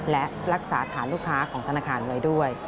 และรักษาฐานลูกค้าของธนาคารไว้ด้วย